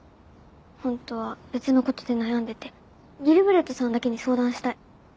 ホントは別のことで悩んでてギルベルトさんだけに相談したい。